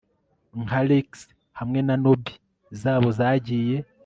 nka leeks hamwe na nobby zabo zagiye